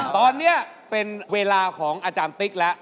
ตอนนี้เป็นเวลาของอาจารย์ติ๊กแล้ว